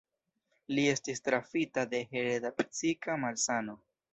Li estis trafita de hereda psika malsano.